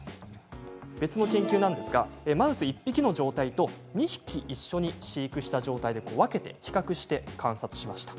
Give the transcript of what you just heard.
別の研究なんですがマウス１匹の状態と２匹一緒に飼育した状態で分けて比較して観察しました。